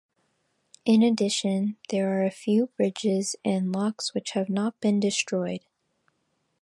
In addition, there are a few bridges and locks which have not been destroyed.